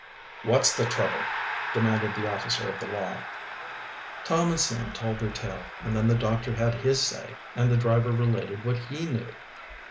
"What's the trouble?" demanded the officer of the law. Tom and Sam told their tale, and then the doctor had his say, and the driver related what he knew.